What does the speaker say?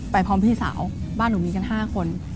พร้อมพี่สาวบ้านหนูมีกัน๕คน